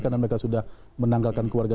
karena mereka sudah menanggalkan keluarga